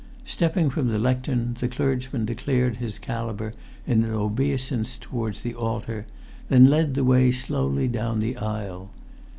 Stepping from the lectern, the clergyman de[Pg 6]clared his calibre in an obeisance towards the altar, then led the way slowly down the aisle.